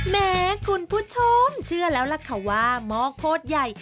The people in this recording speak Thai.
แหมคุณผู้ชมเชื่อแล้วแหละครับว่าม้อโขตใหญ่